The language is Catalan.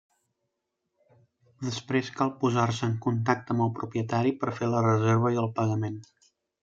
Després cal posar-se en contacte amb el propietari per fer la reserva i el pagament.